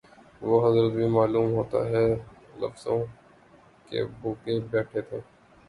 وہ حضرت بھی معلوم ہوتا ہے نفلوں کے بھوکے بیٹھے تھے